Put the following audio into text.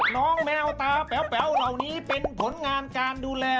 น้องแมวตาแป๋วเหล่านี้เป็นผลงานการดูแล